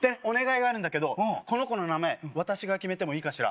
お願いがあるんだけどこの子の名前私が決めてもいい？